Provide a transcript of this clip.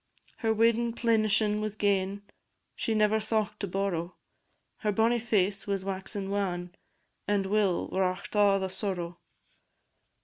Her weddin' plenishin' was gane, She never thocht to borrow: Her bonnie face was waxin' wan And Will wrought a' the sorrow.